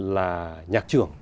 là nhạc trưởng